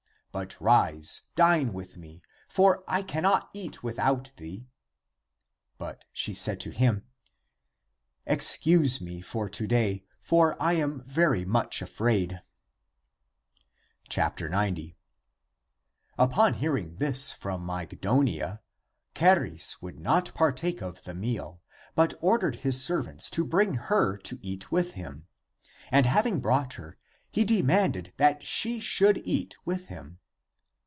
But rise, dine with me, for I cannot eat without thee." But she said to him, " Excuse me for today, for I am very much afraid." 90. Upon hearing this from Mygdonia, Charis would not partake of the meal, but ordered his serv ants to bring her to eat with him. And having brought her, he demanded that she should eat with him.